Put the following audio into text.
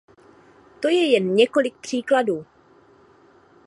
To je jen několik příkladů.